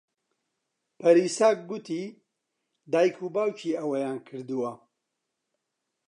پەریسا گوتی دایک و باوکی ئەوەیان کردووە.